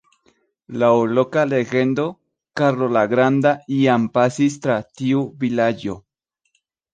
Laŭ loka legendo, Karlo la Granda iam pasis tra tiu vilaĝo.